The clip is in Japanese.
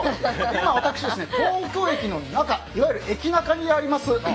今、私、東京駅の中いわゆる駅ナカにあります